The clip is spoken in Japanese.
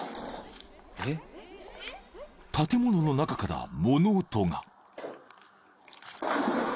・［建物の中から物音が］